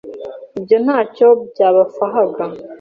Ibyo ntacyo byabafahaga